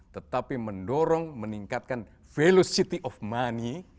tetapi mendorong meningkatkan velocity of money